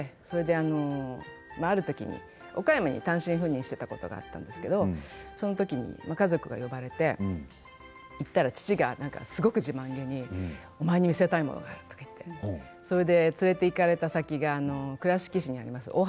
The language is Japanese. それであのある時に岡山に単身赴任してたことがあったんですけどその時に家族が呼ばれて行ったら父がすごく自慢げにお前に見せたいものがあるとか言ってそれで連れていかれた先が倉敷市にあります